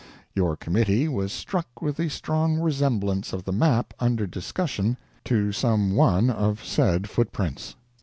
Your committee was struck with the strong resemblance of the map under discussion to some one of said footprints.